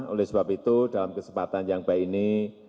oleh sebab itu dalam kesempatan yang baik ini